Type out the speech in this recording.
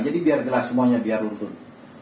jadi biar jelas semuanya biar untung